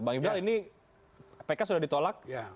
bang ifdal ini pk sudah ditolak